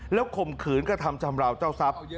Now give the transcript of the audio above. แล้วข่มขืนก็ทำจำลาวเจ้าทรัพย์